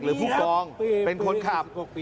หรือผู้กองเป็นคนขับ